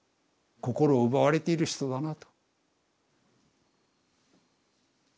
「心を奪われている人だな」と。